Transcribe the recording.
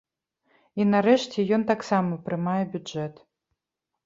І, нарэшце, ён таксама прымае бюджэт.